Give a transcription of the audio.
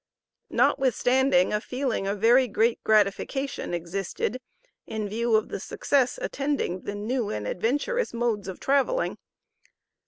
Notwithstanding, a feeling of very great gratification existed in view of the success attending the new and adventurous modes of traveling.